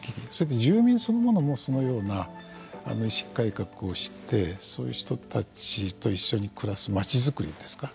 住民そのものもそのような意識改革をしてそういう人たちと一緒に暮らすまちづくりですか。